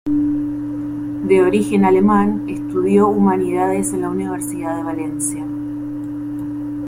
De origen alemán estudió Humanidades en la Universidad de Valencia.